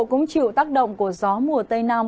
cũng chịu tác động của gió mùa tây nam